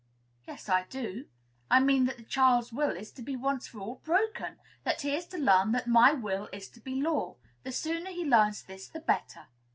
"Yes, I do. I mean that the child's will is to be once for all broken! that he is to learn that my will is to be his law. The sooner he learns this the better."